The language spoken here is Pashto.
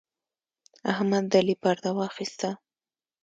احمد د علي پرده واخيسته.